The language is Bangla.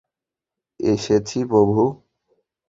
এসেছি, প্রভু।